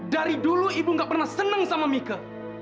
dari dulu ibu nggak pernah senang sama mika